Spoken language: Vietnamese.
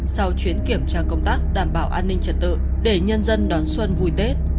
sau chuyến kiểm tra công tác đảm bảo an ninh trật tự để nhân dân đón xuân vui tết